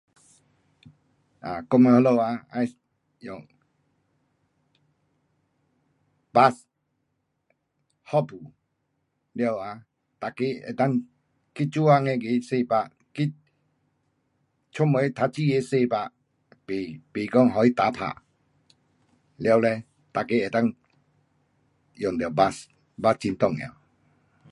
um 我们那里啊要用 bus, 一群，了呀，每个啊去做工的那个坐 bus, 去出门读书的坐 bus 不，不讲给他搭 bus，了嘞大家可以用到 bus, bus 很重要。